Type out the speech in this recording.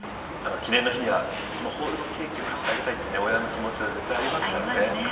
記念の日には、このホールのケーキを買ってあげたいっていう親の気持ちは絶対ありますからね。